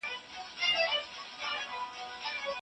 که تعلیم عام سي، پرمختګ راځي.